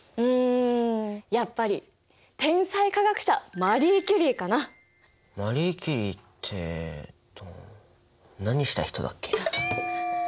んやっぱり天才科学者マリー・キュリーって何した人だっけ？